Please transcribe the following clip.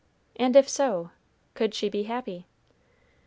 and if so, could she be happy?